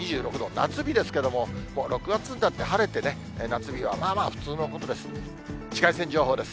夏日ですけれども、もう６月になって晴れてね、夏日はまあまあ普通のことです。